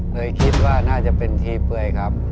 เลยคิดว่าน่าจะเป็นทีเปื่อยครับ